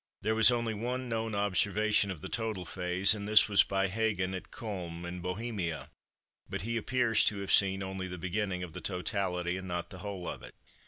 There is only one known observation of the total phase, and this was by Hagen at Culm in Bohemia, but he appears to have seen only the beginning of the totality and not the whole of it.